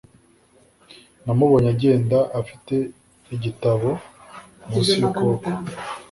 Namubonye agenda afite igitabo munsi yukuboko